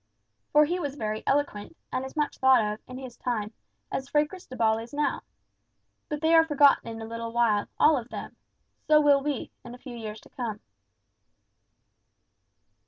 For he was very eloquent, and as much thought of, in his time, as Fray Cristobal is now. But they are forgotten in a little while, all of them. So will we, in a few years to come."